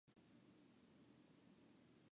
尖叶厚壳桂为樟科厚壳桂属下的一个种。